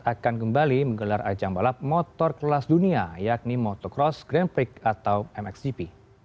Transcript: akan kembali menggelar ajang balap motor kelas dunia yakni motocross grand prix atau mxgp